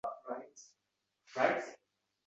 Kechagina tug‘ilgan qizaloqlar, — dedi Botir firqa.